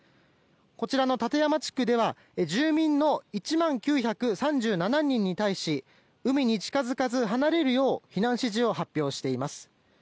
こちらの館山地区では住民の１万９３７人に対し海に近付かず離れるよう避難指示を発表しています。